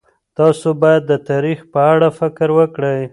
تاسو باید د تاریخ په اړه فکر وکړئ.